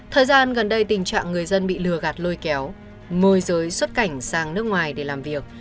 thời gian gần đây tình trạng người dân bị lừa gạt lôi kéo môi giới xuất cảnh sang nước ngoài để làm việc